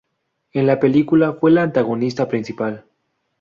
En la película fue la antagonista principal.